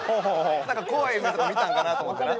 なんか怖い夢とか見たんかなと思ってな。